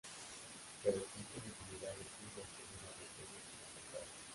Pero existen infinidad de estilos según las regiones y localidades.